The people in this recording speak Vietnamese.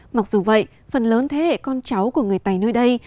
mặc dù vậy phần lớn thế hệ con cháu của người tày nơi đây